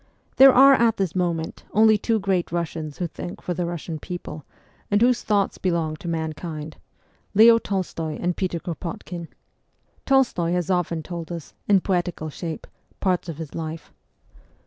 There are at this moment only two great Kussians who think for the Russian people, and whose thoughts belong to mankind, Leo Tolstoy and Peter Kropotkin. Tolstoy has often told us, in poetical shape, parts of his life.